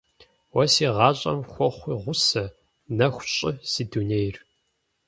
Уэ си гъащӏэм хуэхъуи гъусэ, нэху щӏы си дунейр.